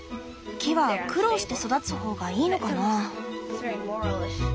木は苦労して育つ方がいいのかな？